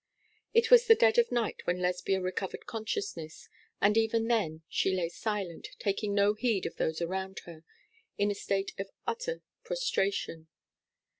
It was the dead of night when Lesbia recovered consciousness, and even then she lay silent, taking no heed of those around her, in a state of utter prostration.